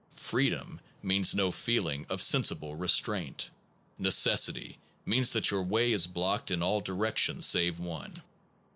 Freedom means no feeling of sensible restraint. Ne cessity means that your way is blocked in all directions save one.